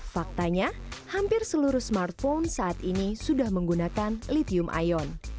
faktanya hampir seluruh smartphone saat ini sudah menggunakan lithium ion